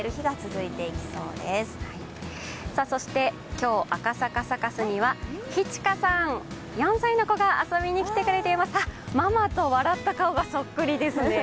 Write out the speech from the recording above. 今日、赤坂サカスにはひちかさん、４歳の子が遊びに来てくれています、ママと笑った顔がそっくりですね。